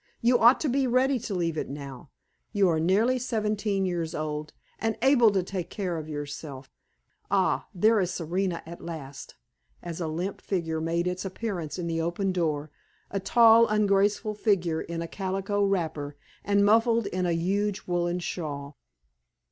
You ought to be ready to leave it now. You are nearly seventeen years old, and able to take care of yourself. Ah! there is Serena at last!" as a limp figure made its appearance in the open door a tall, ungraceful figure in a calico wrapper, and muffled in a huge woolen shawl.